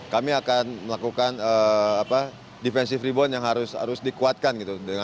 kami akan melakukan defensive rebound yang harus dikuatkan gitu